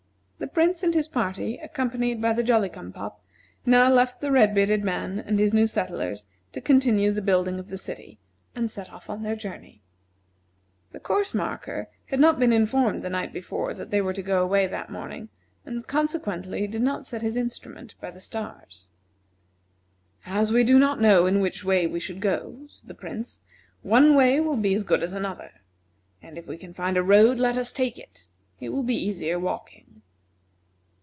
The Prince and his party, accompanied by the Jolly cum pop, now left the red bearded man and his new settlers to continue the building of the city, and set off on their journey. The course marker had not been informed the night before that they were to go away that morning, and consequently did not set his instrument by the stars. "As we do not know in which way we should go," said the Prince, "one way will be as good as another, and if we can find a road let us take it; it will be easier walking."